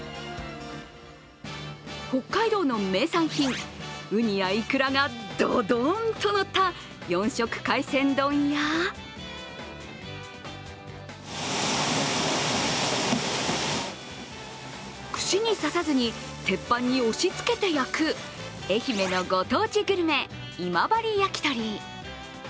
北海道の名産品、うにやいくらがドドンとのった４色海鮮丼や串に刺さずに鉄板に押しつけて焼く愛媛のご当地グルメ、今治やきとり。